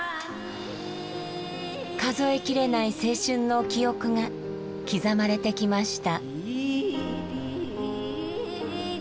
数えきれない青春の記憶が刻まれてきました。